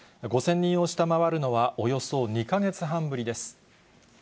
５０００人を下回るのは、およそ２か月半ぶりです。